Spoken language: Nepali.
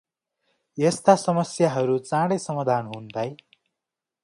यस्ता समस्याहरु चाडै समाधान हुन दाइ ।